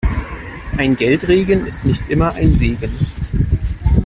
Ein Geldregen ist nicht immer ein Segen.